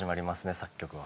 作曲は。